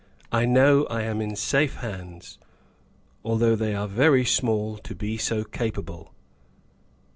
" I know I am in safe hands, although they are very small to be so capable."